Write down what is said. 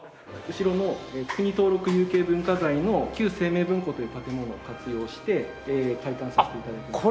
後ろの国登録有形文化財の旧清明文庫という建物を活用して開館させて頂いてます。